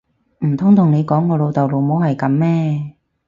唔通同你講我老豆老母係噉咩！